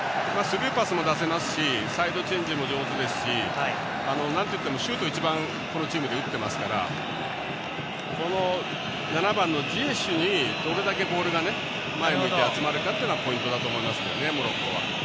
スルーパスも出せますしサイドチェンジも上手ですしなんといってもシュートをこのチームで一番、打ってますから７番のジエシュにどれだけボールが前を向いて集まるかがポイントですね、モロッコは。